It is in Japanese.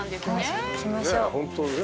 行きましょう。